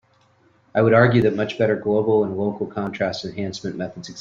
I would argue that much better global and local contrast enhancement methods exist.